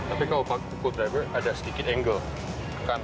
tapi kalau pakai cool driver ada sedikit angle ke kanan